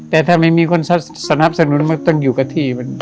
แต่ถ้าไม่มีคนสนับสนุนมันต้องอยู่กับที่มัน